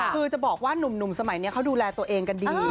คือจะบอกว่าหนุ่มสมัยนี้เขาดูแลตัวเองกันดี